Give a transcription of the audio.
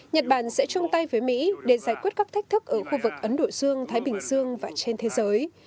nhật bản sẽ chung tay với mỹ để giải quyết các thách thức ở khu vực ấn độ dương thái bình dương và trên thế giới